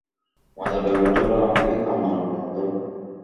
মজার ব্যাপার হচ্ছে, ওরা আমাকেও কামনা করত।